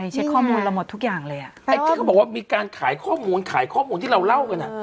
ใช่เช็คข้อมูลละหมดทุกอย่างเลย